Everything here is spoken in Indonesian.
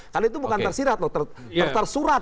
karena itu bukan tersirat loh tersurat